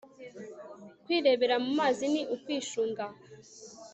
kwirebera mumazi ni ukwishunga